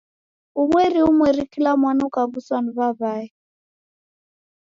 Umweri umweri kula mwana ukaw'uswa ni w'aw'ae.